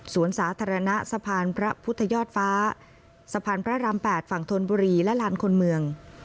สาธารณะสะพานพระพุทธยอดฟ้าสะพานพระราม๘ฝั่งธนบุรีและลานคนเมือง